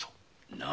何！？